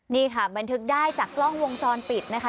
นี่ค่ะบันทึกได้จากกล้องวงจรปิดนะคะ